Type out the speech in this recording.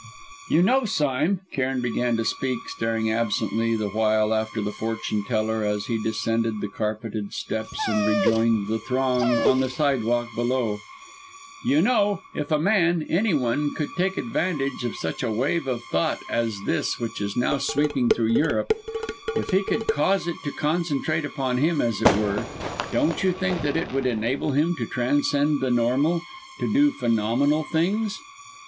"You know, Sime " Cairn began to speak, staring absently the while after the fortune teller, as he descended the carpeted steps and rejoined the throng on the sidewalk below "you know, if a man anyone, could take advantage of such a wave of thought as this which is now sweeping through Egypt if he could cause it to concentrate upon him, as it were, don't you think that it would enable him to transcend the normal, to do phenomenal things?"